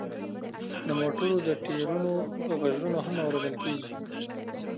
د موټرو د ټیرونو غږونه هم اوریدل کیږي